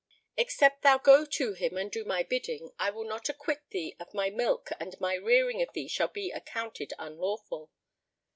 Except thou go to him and do my bidding, I will not acquit thee of my milk and my rearing of thee shall be accounted unlawful."